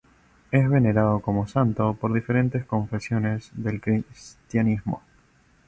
Es venerado como santo por diferentes confesiones del cristianismo.